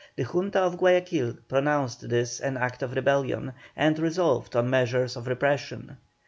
The Junta of Guayaquil pronounced this an act of rebellion, and resolved on measures of repression.